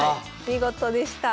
見事でした。